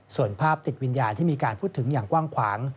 ส่วนภาพติดวิญญาณที่มีการพูดถึงอย่างกว้างขวาง